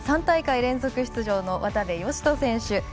３大会連続出場の渡部善斗選手。